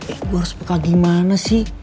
eh gue harus buka gimana sih